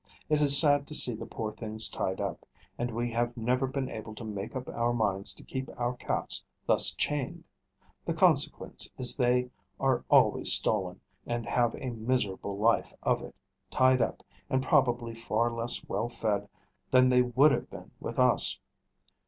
It is sad to see the poor things tied up; and we have never been able to make up our minds to keep our cats thus chained. The consequence is they are always stolen, and have a miserable life of it, tied up, and probably far less well fed than they would have been with us.